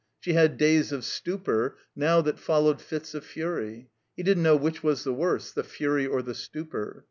She had days of stupor now that fol lowed fits of fury. He didn't know which was the worse, the fury or the stupor.